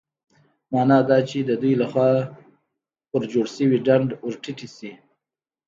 مانا دا چې د دوی له خوا په جوړ شوي ډنډ ورټيټې شي.